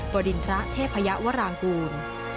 บดินทระเทพยวรางกูล